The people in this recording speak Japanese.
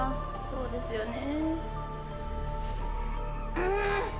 そうですよね。